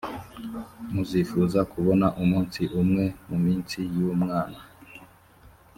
muzifuza kubona umunsi umwe mu minsi y umwana